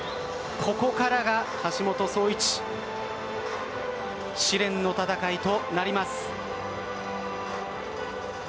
ここからが橋本壮市、試練の戦いとなります。